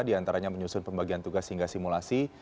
di antaranya menyusun pembagian tugas hingga simulasi